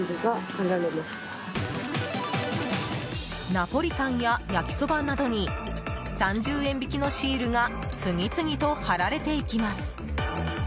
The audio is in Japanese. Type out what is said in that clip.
ナポリタンや焼きそばなどに３０円引きのシールが次々と貼られていきます。